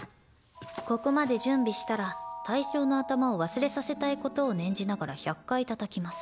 「ここまで準備したら対象の頭を忘れさせたいことを念じながら１００回たたきます」。